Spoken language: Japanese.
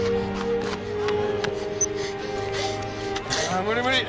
あ無理無理。